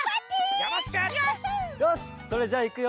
よしそれじゃあいくよ！